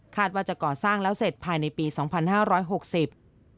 ว่าจะก่อสร้างแล้วเสร็จภายในปีสองพันห้าร้อยหกสิบ